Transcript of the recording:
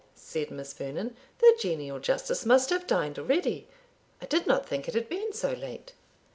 said Miss Vernon, "the genial Justice must have dined already I did not think it had been so late."